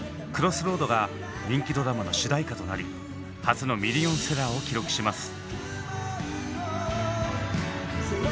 「ＣＲＯＳＳＲＯＡＤ」が人気ドラマの主題歌となり初のミリオンセラーを記録します。